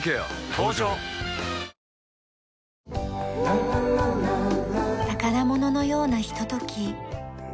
登場！宝物のようなひととき。